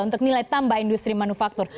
untuk nilai tambah industri manufaktur